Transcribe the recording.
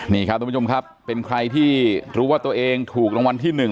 นี่ครับทุกผู้ชมครับเป็นใครที่รู้ว่าตัวเองถูกรางวัลที่๑